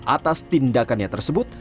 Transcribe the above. atas tindakannya tersebut